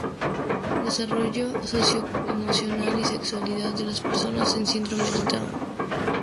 Desarrollo Socio-Emocional y Sexualidad de las Personas con Síndrome de Down.